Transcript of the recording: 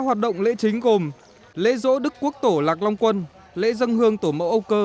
các hoạt động lễ chính gồm lễ dỗ đức quốc tổ lạc long quân lễ dân hương tổ mẫu âu cơ